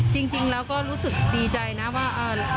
จริงแล้วก็รู้สึกดีใจนะว่า